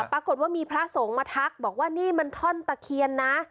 ปรากฏว่ามีพระสงฆ์มาทักบอกว่านี่มันท่อนตะเคียนนะ